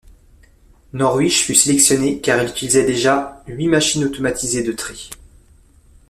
Norwich fut sélectionnée car elle utilisait déjà huit machines automatisées de tri.